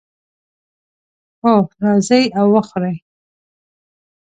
هو، راځئ او وخورئ